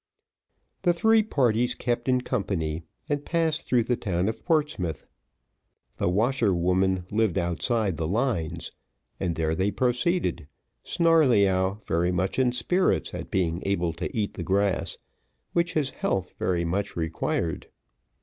The three parties kept in company, and passed through the town of Portsmouth. The washerwoman lived outside the Lines, and there they proceeded, Snarleyyow very much in spirits at being able to eat the grass, which his health very much required.